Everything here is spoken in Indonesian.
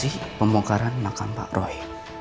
di pemongkaran makan pak roy